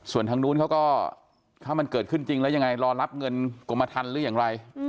ส่วนทางนู้นเขาก็ถ้ามันเกิดขึ้นจริงแล้วยังไงรอรับเงินกรมทันหรืออย่างไร